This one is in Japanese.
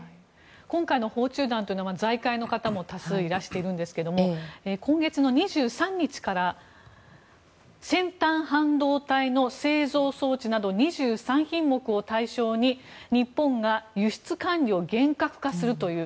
今回の訪中団は財界の方も多数いらしているんですが今月２３日から先端半導体の製造装置など２３品目を対象に日本が輸出管理を厳格化するという。